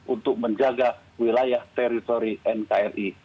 untuk menjaga wilayah teritori nkri